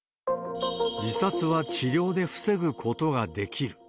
自殺は治療で防ぐことができる。